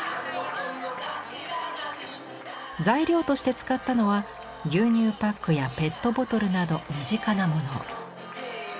材料として使ったのは牛乳パックやペットボトルなど身近なもの。